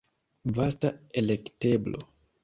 Vasta elekteblo.